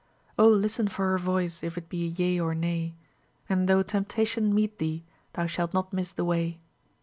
Oh, listen for her voice, If it be yea or nay; And though temptation meet thee, Thou shalt not miss the way.